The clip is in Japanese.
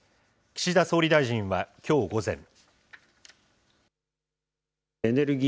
岸田総理大臣はきょう午前。